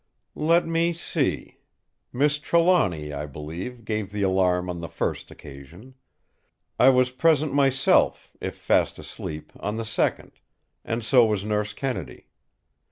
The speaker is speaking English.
"Let me see! Miss Trelawny, I believe, gave the alarm on the first occasion. I was present myself, if fast asleep, on the second; and so was Nurse Kennedy.